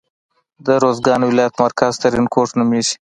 د روزګان ولایت مرکز ترینکوټ نومیږي.